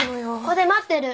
ここで待ってる！